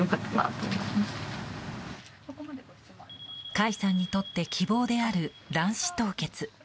甲斐さんにとって希望である卵子凍結。